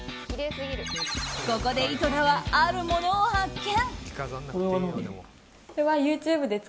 ここで井戸田はあるものを発見。